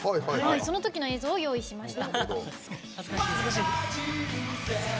そのときの映像を用意しました。